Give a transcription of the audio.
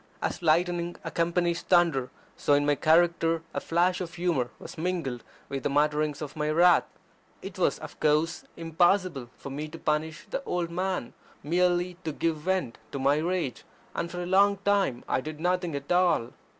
As lightning accompanies thunder, so in my character a flash of humour was mingled with the mutterings of my wrath. It was, of course, impossible for me to punish the old man merely to give vent to my rage; and for a long time I did nothing at all.